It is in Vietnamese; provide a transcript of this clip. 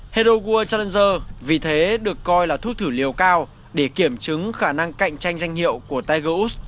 hero world challenger vì thế được coi là thuốc thử liều cao để kiểm chứng khả năng cạnh tranh danh hiệu của tiger woods